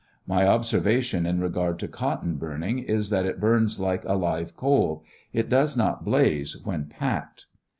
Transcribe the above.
My observation in regard to cotton burning is. that it burns like a live coal ; it does not blaze when packed.